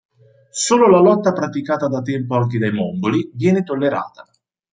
Solo la lotta, praticata da tempo anche dai mongoli, viene tollerata.